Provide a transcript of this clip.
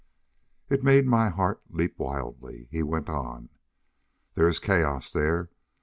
It made my heart leap wildly. He went on: "There is chaos there.